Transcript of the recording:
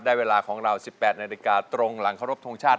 ได้เวลาหรือเปล่า๑๘นาทีตรงหลังคารบทรงชาติ